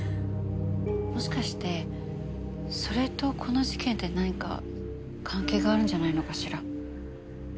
もしかしてそれとこの事件って何か関係があるんじゃないのかしら？